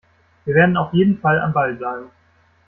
Wir werden auf jeden Fall am Ball bleiben.